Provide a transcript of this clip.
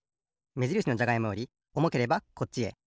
めじるしのじゃがいもよりおもければこっちへ。